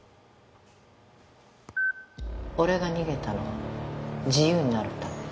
「俺が逃げたのは自由になるため」